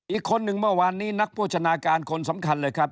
อีกคนหนึ่งเมื่อวานนี้นักโภชนาการคนสำคัญเลยครับ